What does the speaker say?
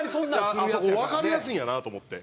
あそこわかりやすいんやなと思って。